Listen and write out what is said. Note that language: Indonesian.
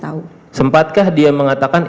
tahu sempatkah dia mengatakan